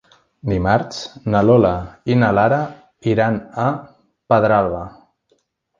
Dimarts na Lola i na Lara iran a Pedralba.